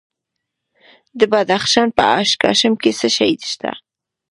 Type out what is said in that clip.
د بدخشان په اشکاشم کې څه شی شته؟